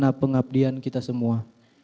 mengenai pengabdian kita semua